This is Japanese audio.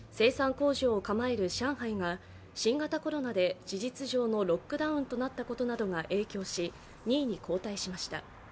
工場を構える上海が新型コロナで事実上のロックダウンとなったことなどが影響し、２位に後退しました。